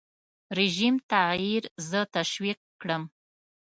رژیم تغییر زه تشویق کړم.